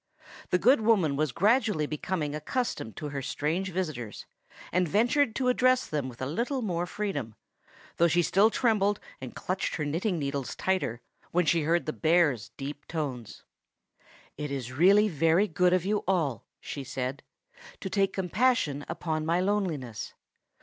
The good woman was gradually becoming accustomed to her strange visitors, and ventured to address them with a little more freedom, though she still trembled and clutched her knitting needles tighter when she heard the bear's deep tones. "It is really very good of you all," she said, "to take compassion upon my loneliness.